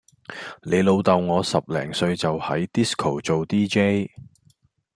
你老豆我十零歲就喺 disco 做 dj